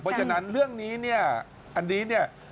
เพราะฉะนั้นเรื่องนี้เนี่ยอันนี้เนี่ย